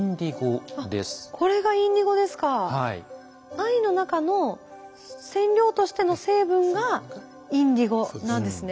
藍の中の染料としての成分がインディゴなんですね。